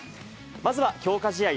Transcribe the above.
まずは強化試合